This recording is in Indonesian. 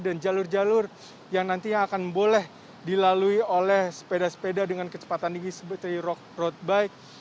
jalur jalur yang nantinya akan boleh dilalui oleh sepeda sepeda dengan kecepatan tinggi seperti road bike